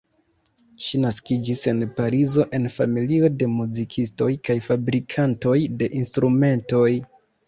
Ŝi naskiĝis en Parizo en familio de muzikistoj kaj fabrikantoj de instrumentoj.